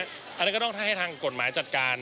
อะไรก็ต้องให้ทางกฎหมายจัดการ